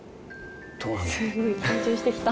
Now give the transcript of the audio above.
すごい緊張してきた。